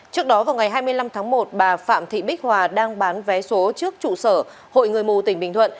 trước đó vào ngày hai mươi năm tháng một bà phạm thị bích hòa đang bán vé số trước trụ sở hội người mù tỉnh bình thuận